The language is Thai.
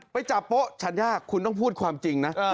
ไปจับโป๊ชัญญาคุณต้องพูดความจริงนะ